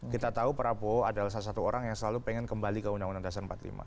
kita tahu prabowo adalah salah satu orang yang selalu pengen kembali ke undang undang dasar empat puluh lima